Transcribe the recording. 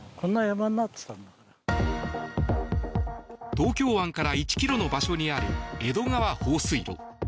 東京湾から１ｋｍの場所にある江戸川放水路。